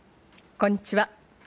こんにちは。